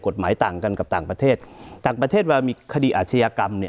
กฎหมายต่างกันกับต่างประเทศต่างประเทศเวลามีคดีอาชญากรรมเนี่ย